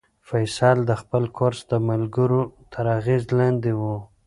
فیصل د خپل کورس د ملګرو تر اغېز لاندې و.